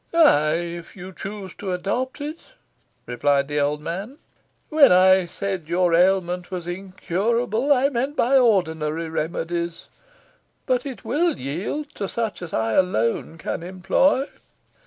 "Ay, if you choose to adopt it," replied the old man. "When I said your ailment was incurable, I meant by ordinary remedies, but it will yield to such as I alone can employ.